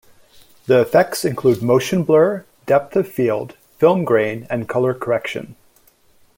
The effects include motion blur, depth of field, film grain and color correction.